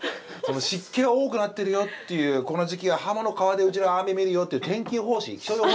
湿気が多くなってるよっていうこの時期は鱧の皮でうちらは雨見るよっていう気象予報士。